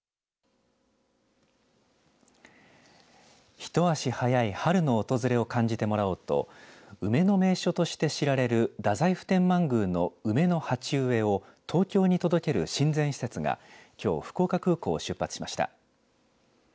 一足早い春の訪れを感じてもらおうと梅の名所として知られる太宰府天満宮の梅の鉢植えを東京に届ける親善使節がきょう福岡空港を出発しました。